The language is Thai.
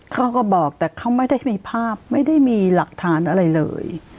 เขาก็บอกแต่เขาไม่ได้มีภาพไม่ได้มีหลักฐานอะไรเลย